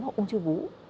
hoặc ung thư vũ